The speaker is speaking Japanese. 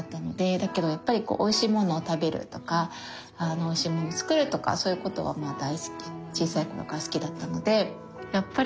だけどやっぱりこうおいしいものを食べるとかおいしいものを作るとかそういうことはまあ大好き小さい頃から好きだったので。